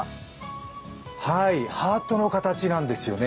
ハートの形なんですよね。